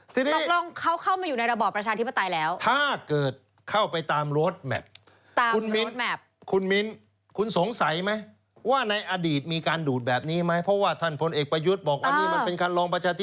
ทุกคนเขาก็เถียงกันอย่างนั้นบอกไม่ใช่